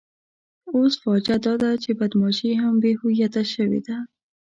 اوس فاجعه داده چې بدماشي هم بې هویته شوې ده.